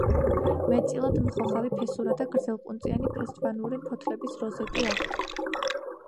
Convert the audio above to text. მეტწილად მხოხავი ფესურა და გრძელყუნწიანი ფესვთანური ფოთლების როზეტი აქვთ.